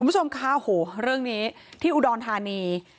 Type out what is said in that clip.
คุณผู้ชมคะโอ้โหเรื่องนี้ที่อุดรธานี